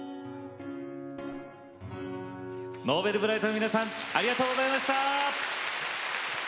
Ｎｏｖｅｌｂｒｉｇｈｔの皆さんありがとうございました。